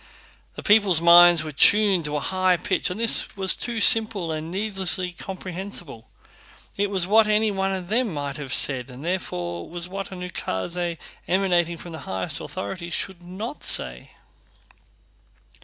The people's minds were tuned to a high pitch and this was too simple and needlessly comprehensible—it was what any one of them might have said and therefore was what an ukáse emanating from the highest authority should not say.